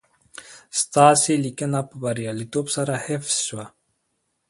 ستاسي لېنکه په برياليتوب سره حفظ شوه